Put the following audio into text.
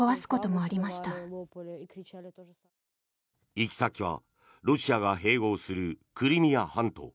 行き先はロシアが併合するクリミア半島。